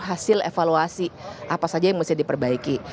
hasil evaluasi apa saja yang mesti diperbaiki